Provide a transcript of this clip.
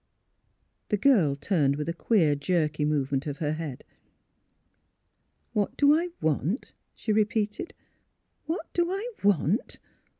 " The girl turned with a queer, jerky movement of her head. " What do I want? " she repeated. '' What do I want?